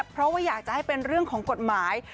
เพราะว่าอยากจะให้เป็นเรื่องของกฎหมาย